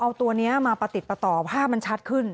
เอาตัวนี้มาประติดประต่อภาพมันชัดขึ้น